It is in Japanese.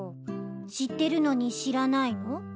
知ってるのに知らないの？